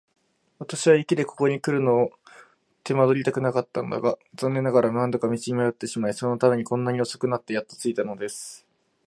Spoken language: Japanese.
私は雪でここにくるのを手間取りたくなかったのだが、残念ながら何度か道に迷ってしまい、そのためにこんなに遅くなってやっと着いたのです。